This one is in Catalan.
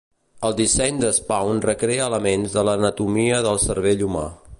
El disseny de Spaun recrea elements de l'anatomia del cervell humà.